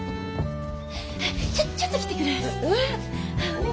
ちょちょっと来てくれます？